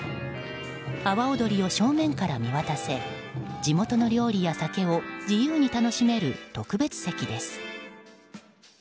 阿波おどりを正面から見渡せ地元の料理や酒を自由に楽しめる特別席です。